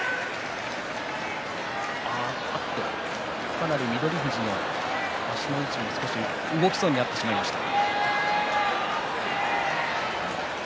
かなり翠富士の足の位置が少し動きそうになってしまいました。